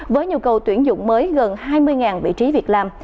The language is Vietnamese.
với nhu cầu tuyển dụng mới gần hai mươi vị trí việc làm